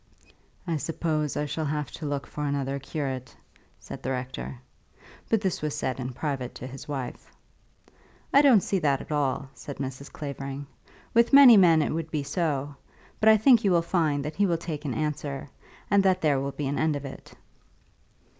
"I suppose I shall have to look for another curate," said the Rector. But this was said in private to his wife. "I don't see that at all," said Mrs. Clavering. "With many men it would be so; but I think you will find that he will take an answer, and that there will be an end of it."